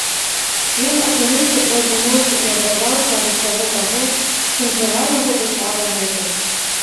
Ён апынуўся ў адзіноце і адарваўся ад усяго таго, чым жыла яго душа дагэтуль.